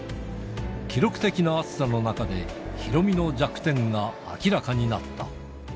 記録的な暑さの中で、ヒロミの弱点が明らかになった。